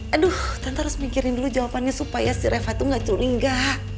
aduh tante harus mikirin dulu jawabannya supaya si reva tuh gak curi enggak